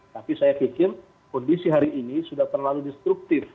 tapi saya pikir kondisi hari ini sudah terlalu destruktif